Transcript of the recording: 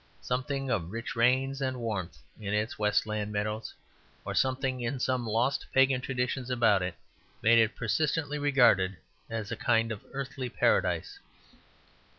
Something of rich rains and warmth in its westland meadows, or something in some lost pagan traditions about it, made it persistently regarded as a kind of Earthly Paradise.